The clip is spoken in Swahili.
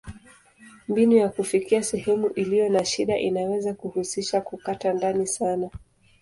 Mbinu ya kufikia sehemu iliyo na shida inaweza kuhusisha kukata ndani sana.